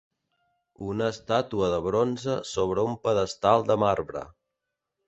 Una estàtua de bronze sobre un pedestal de marbre.